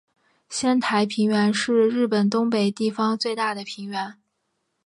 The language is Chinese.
仙台平原是日本东北地方最大的平原。